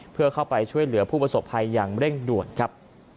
เพื่อเข้าไปช่วยเหลือผู้ประสบภัยอย่างเร่งด่วนครับ